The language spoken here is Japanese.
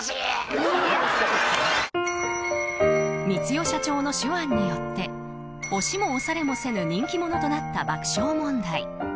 光代社長の手腕によって押しも押されもせぬ人気者となった爆笑問題。